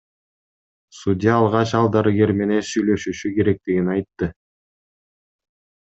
Судья алгач ал дарыгер менен сүйлөшүшү керектигин айтты.